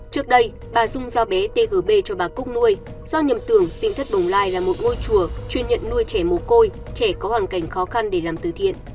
trước đây bà dung giao bé tgb cho bà cúc nuôi do nhầm tưởng tỉnh thất bồng lai là một ngôi chùa chuyên nhận nuôi trẻ mồ côi trẻ có hoàn cảnh khó khăn để làm từ thiện